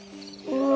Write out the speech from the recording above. うわ！